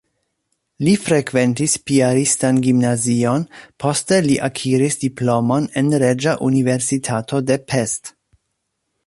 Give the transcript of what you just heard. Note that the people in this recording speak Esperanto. Li frekventis piaristan gimnazion, poste li akiris diplomon en Reĝa Universitato de Pest.